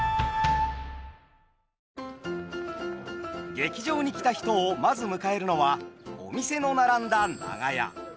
劇場に来た人をまず迎えるのはお店の並んだ長屋。